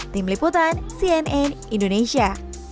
tim liputan cnn indonesia